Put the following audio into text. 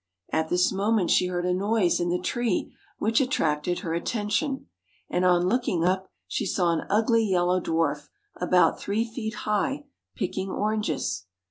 At this moment she heard a noise in the tree, which attracted her attention ; and on looking up, she saw an ugly yellow dwarf, about three feet high, picking oranges.